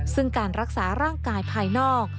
ซึ่งการรักษาร่างกายภายนอก